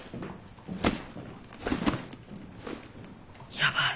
やばい。